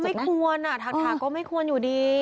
ไม่ควรถักก็ไม่ควรอยู่ดี